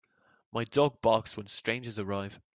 My dog barks when strangers arrive.